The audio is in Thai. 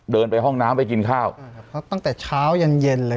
เดินไปห้องน้ำไปกินข้าวตั้งแต่เช้ายันเย็นเย็นเลย